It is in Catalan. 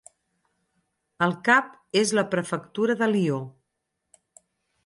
El cap és la prefectura de Lió.